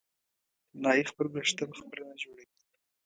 نایي خپل وېښته په خپله نه جوړوي.